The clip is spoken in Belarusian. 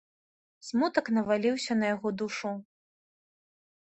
Смутак наваліўся на яго душу.